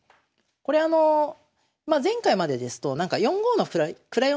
これあのまあ前回までですと４五の位をね